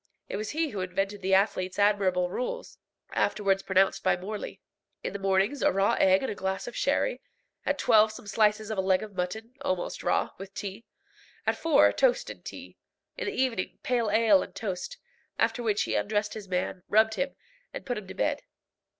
It was he who invented the athlete's admirable rules, afterwards reproduced by Morley. In the mornings, a raw egg and a glass of sherry; at twelve, some slices of a leg of mutton, almost raw, with tea; at four, toast and tea; in the evening, pale ale and toast; after which he undressed his man, rubbed him, and put him to bed.